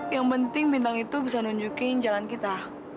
yang penting bintang itu bisa nunjukin jalan kita